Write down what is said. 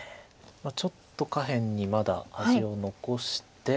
ちょっと下辺にまだ味を残して。